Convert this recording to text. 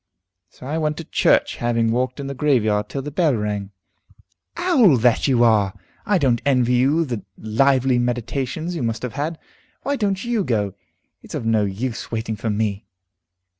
So I went to church, having walked in the graveyard till the bell rang." "Owl that you are! I don't envy you the lively meditations you must have had. Why don't you go? It's of no use waiting for me."